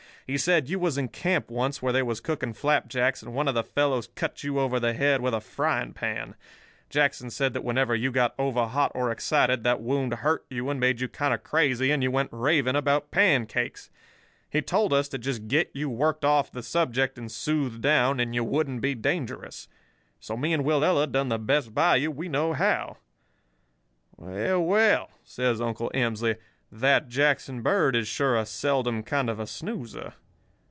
He said you was in camp once where they was cooking flapjacks, and one of the fellows cut you over the head with a frying pan. Jackson said that whenever you got overhot or excited that wound hurt you and made you kind of crazy, and you went raving about pancakes. He told us to just get you worked off of the subject and soothed down, and you wouldn't be dangerous. So, me and Willella done the best by you we knew how. Well, well,' says Uncle Emsley, 'that Jackson Bird is sure a seldom kind of a snoozer.